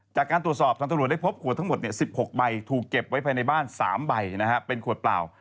จากการตรวจสอบทางตำรวจได้พบขวดทั้งหมด๑๖ใบถูกเก็บไว้ภายในบ้าน๓ใบเป็นขวดเปล่า